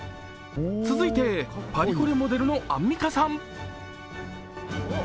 続いてパリコレモデルのアンミカさん。